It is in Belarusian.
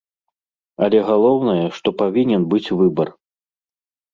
Але галоўнае, што павінен быць выбар.